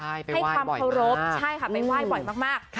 ใช่ไปไหว้บ่อยมากให้ความเคารพใช่ค่ะไปไหว้บ่อยมาก